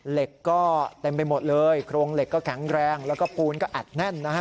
เหล็กก็เต็มไปหมดเลยโครงเหล็กก็แข็งแรงแล้วก็ปูนก็อัดแน่นนะฮะ